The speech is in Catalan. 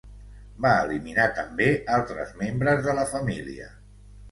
Va eliminar també altres membres de la família.